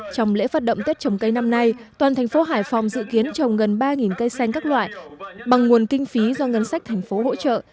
trong lễ phát động tết trồng cây năm nay toàn thành phố hải phòng dự kiến trồng gần ba cây xanh các loại bằng nguồn kinh phí do ngân sách thành phố hỗ trợ